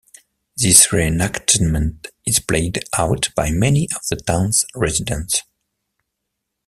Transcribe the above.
This reenactment is played out by many of the town's residents.